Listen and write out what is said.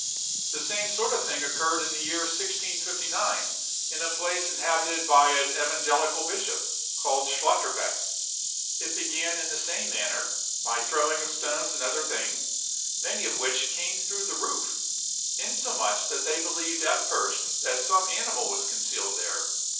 The same sort of thing occurred in the year 1659, in a place inhabited by an evangelical bishop, called Schlotterbeck. It began in the same manner, by throwing of stones and other things, many of which came through the roof, insomuch that they believed at first that some animal was concealed there.